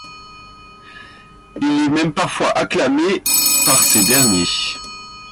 Il est même parfois acclamé par ces derniers.